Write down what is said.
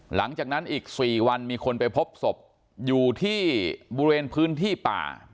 หลังจากนั้นอีก๔วันมีคนไปพบศพอยู่ที่บริเวณพื้นที่ป่า